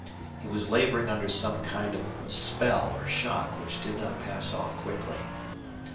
He was laboring under some kind of a spell or shock which did not pass off quickly.